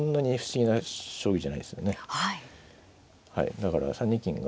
だから３二金が。